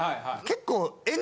結構。